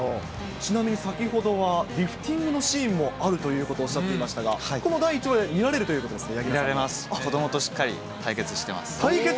ちなみに、先ほどはリフティングのシーンもあるということをおっしゃっていましたが、これも第１話で見られるということですか？